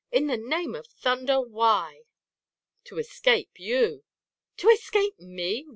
In the name of thunder, why?" "To escape you!" "To escape me!